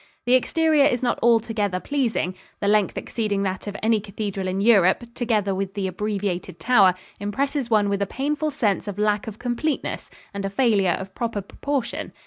The exterior is not altogether pleasing the length exceeding that of any cathedral in Europe, together with the abbreviated tower, impresses one with a painful sense of lack of completeness and a failure of proper proportion.